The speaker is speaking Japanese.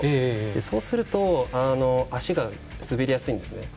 そうすると足が滑りやすいんです。